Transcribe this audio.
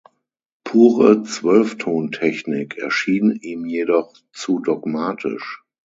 Pure Zwölftontechnik erschien ihm jedoch zu dogmatisch.